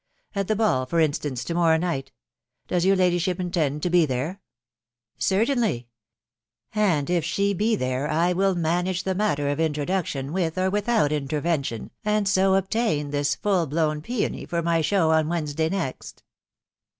At the ball, for instance, to morrow night ; does your ladyship intend to be there ?"" Certainly. ... And if she be there, I will manage the matter of introduction, with or without intervention, and so 500 THE WIDOW BARNABY, flbtain this full blown peony for my show on Wednodq next."